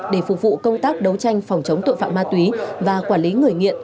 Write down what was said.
để phục vụ công tác đấu tranh phòng chống tội phạm ma túy và quản lý người nghiện